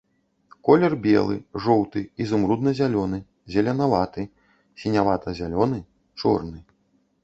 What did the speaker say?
Колер белы, жоўты, ізумрудна-зялёны, зеленаваты, сінявата-зялёны, чорны.